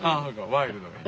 ワイルドな。